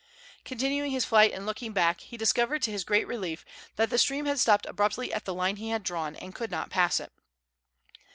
Continuing his flight and looking back, he discovered, to his great relief, that the stream had stopped abruptly at the line he had drawn, and could not pass it.